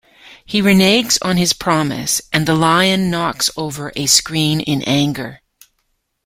He reneges on his promise, and the Lion knocks over a screen in anger.